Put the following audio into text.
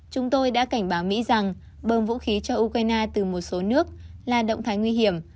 chúng tôi đã cảnh báo mỹ rằng bơm vũ khí cho ukraine từ một số nước là động thái nguy hiểm